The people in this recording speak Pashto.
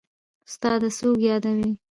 استاده څوک يادوې.